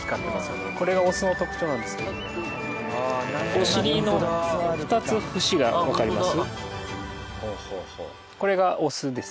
お尻の２つ節がわかります？